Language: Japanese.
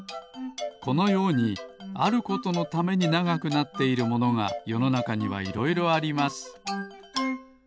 このようにあることのためにながくなっているものがよのなかにはいろいろあります。